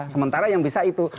sementara yang bisa itu